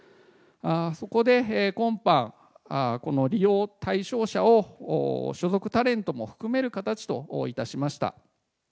そこで、今般、この利用対象者を所属タレントも含める形といたしました。